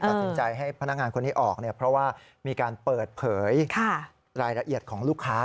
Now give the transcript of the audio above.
ตัดสินใจให้พนักงานคนนี้ออกเนี่ยเพราะว่ามีการเปิดเผยรายละเอียดของลูกค้า